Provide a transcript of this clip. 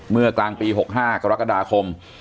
เมื่อกลางปี๖๕กรกฎาคม